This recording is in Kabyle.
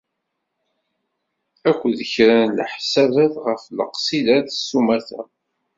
Akked kra n leḥsabat ɣef laksidat s umata.